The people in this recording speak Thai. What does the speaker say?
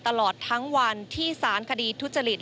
ตลอดทั้งวันที่สารคดีทุจริต